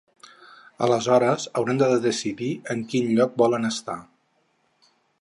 Aleshores hauran de decidir en quin lloc volen estar.